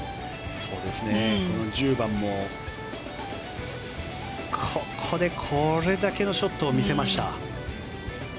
この１０番もここでこれだけのショットを見せました。